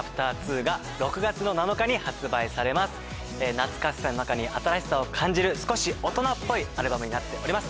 懐かしさの中に新しさを感じる少し大人っぽいアルバムになっております。